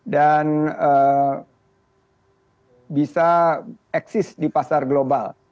dan bisa eksis di pasar global